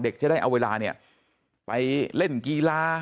เด็กจะได้เอาเวลาไปเล่นกีฬา